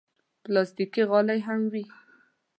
پلاستيکي غالۍ هم وي.